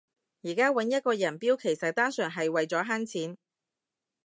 而家搵一個人標其實單純係為咗慳錢